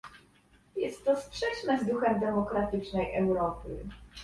Jest to sprzeczne z duchem demokratycznej Europy